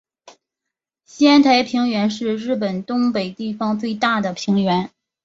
仙台平原是日本东北地方最大的平原。